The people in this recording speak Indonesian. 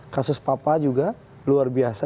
kasus papa juga luar biasa